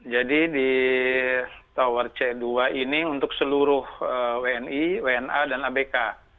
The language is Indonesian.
jadi di tower c dua ini untuk seluruh wni wna dan abk